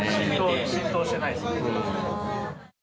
浸透してないですね。